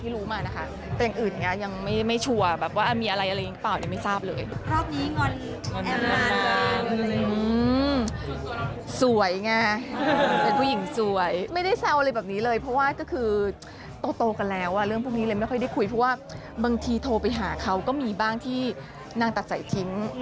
เรื่องพวกนี้เลยไม่ค่อยได้คุยเพราะว่าบางทีโทรไปหาเขาก็มีบ้างที่นางตัดใส่ทิ้ง